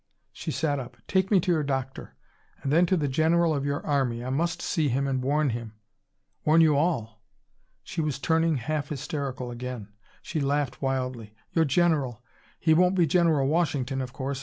She sat up. "Take me to your doctor. And then to the general of your army. I must see him, and warn him. Warn you all." She was turning half hysterical again. She laughed wildly. "Your general he won't be General Washington, of course.